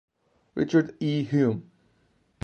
Richard E. Hume.